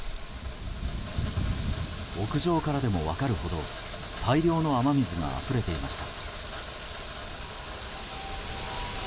屋上からでも分かるほど大量の雨水があふれていました。